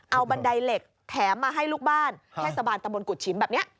เอาบันไดเหล็กแถมมาให้ลูกบ้านให้สะบานตะมนต์กุศิมป์แบบนี้